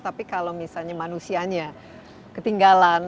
tapi kalau misalnya manusianya ketinggalan